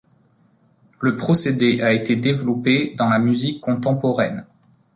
Le procédé a été développé dans la musique contemporaine.